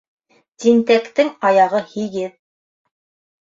Тинтәктең аяғы һигеҙ.